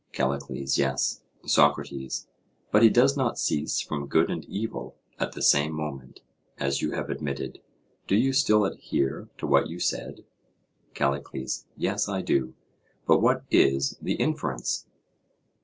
CALLICLES: Yes. SOCRATES: But he does not cease from good and evil at the same moment, as you have admitted: do you still adhere to what you said? CALLICLES: Yes, I do; but what is the inference?